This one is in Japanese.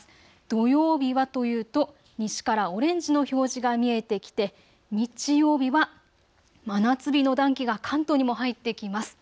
土曜日はというと西からオレンジの表示が見えてきて、日曜日は真夏日の暖気が関東にも入ってきます。